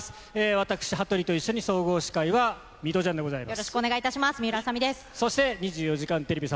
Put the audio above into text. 私、羽鳥と一緒に総合司会は水卜ちゃんでございます。